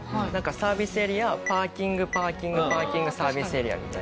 サービスエリアパーキングパーキングパーキングサービスエリアみたいな。